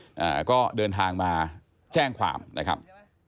อ่าก็เดินทางมาแจ้งความนะครับ